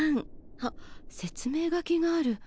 あっ説明書きがある。